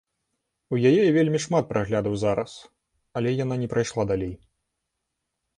У яе вельмі шмат праглядаў зараз, але яна не прайшла далей.